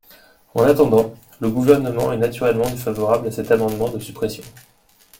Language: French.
En attendant, le Gouvernement est naturellement défavorable à cet amendement de suppression.